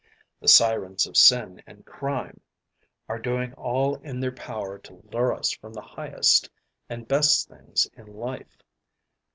The sirens of sin and crime are doing all in their power to lure us from the highest and best things in life.